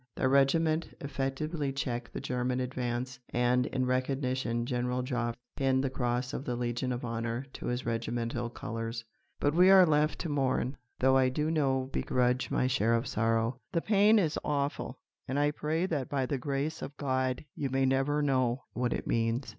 Their regiment effectively checked the German advance, and in recognition General Joffre pinned the Cross of the Legion of Honour to his regimental colours. But we are left to mourn though I do no begrudge my share of sorrow. The pain is awful, and I pray that by the grace of God you may never know what it means."